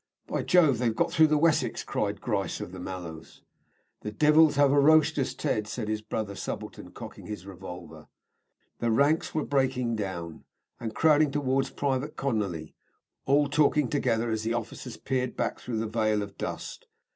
"By Jove, they've got through the Wessex!" cried Grice of the Mallows. "The divils have hurrooshed us, Ted," said his brother subaltern, cocking his revolver. The ranks were breaking, and crowding towards Private Conolly, all talking together as the officers peered back through the veil of dust.